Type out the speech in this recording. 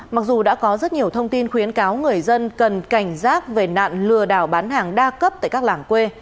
mặc dù đã có rất nhiều thông tin khuyến cáo người dân cần cảnh giác về nạn lừa đảo bán hàng đa cấp tại các làng quê